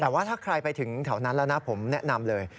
แต่ว่าถ้าใครไปถึงแถวนั้นแล้วนะผมแนะนำเลย